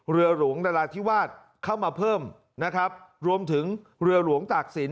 เรือหลวงนราธิวาสเข้ามาเพิ่มนะครับรวมถึงเรือหลวงตากศิล